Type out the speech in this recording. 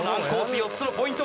４つのポイント